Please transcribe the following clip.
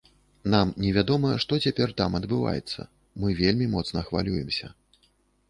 Нам невядома, што цяпер там адбываецца, мы вельмі моцна хвалюемся.